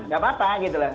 gak apa apa gitu lah